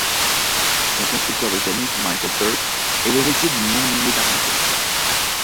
Son constructeur britannique, Michael Turk est l'héritier d'une longue lignée d'armateurs.